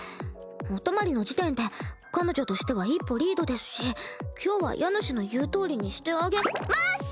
お泊まりの時点で彼女としては一歩リードですし今日は家主の言うとおりにしてあげます！